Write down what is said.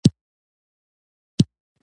چې پر ما میینان وه